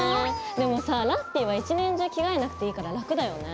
でもさラッピィは一年中着替えなくていいから楽だよね。